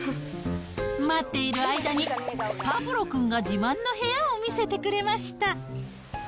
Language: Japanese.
待っている間に、パブロ君が自慢の部屋を見せてくれました。